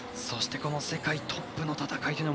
そして、世界トップの戦い